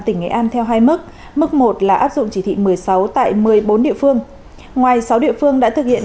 tỉnh nghệ an theo hai mức mức một là áp dụng chỉ thị một mươi sáu tại một mươi bốn địa phương ngoài sáu địa phương đã thực hiện